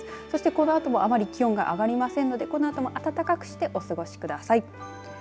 そしてこのあともあまり気温が上がりませんのでこのあとも暖かくしてお過ごしください。